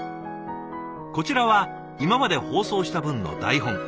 こちらは今まで放送した分の台本。